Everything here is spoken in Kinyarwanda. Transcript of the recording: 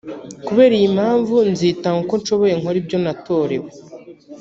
kubera iyi mpamvu nzitanga uko nshoboye nkore ibyo natorewe”